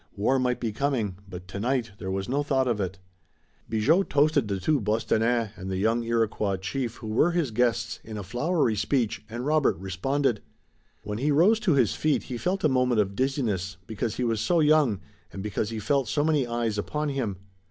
War might be coming, but tonight there was no thought of it. Bigot toasted the two Bostonnais and the young Iroquois chief who were his guests in a flowery speech and Robert responded. When he rose to his feet he felt a moment of dizziness, because he was so young, and because he felt so many eyes upon him.